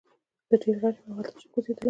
زه ډیر غټ یم او هلته نشم کوزیدلی.